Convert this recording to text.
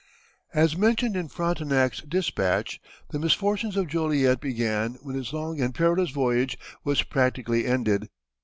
As mentioned in Frontenac's dispatch, the misfortunes of Joliet began when his long and perilous voyage was practically ended.